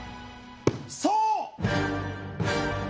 そう！